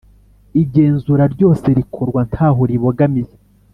Igenzura ryose rikorwa ntaho ribogamiye